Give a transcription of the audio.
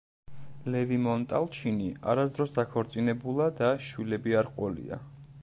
ლევი-მონტალჩინი არასდროს დაქორწინებულა და შვილები არ ჰყოლია.